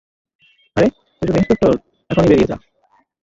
আরে, তুই শুধু ইন্সপেক্টর, এখনি বেরিয়ে যা।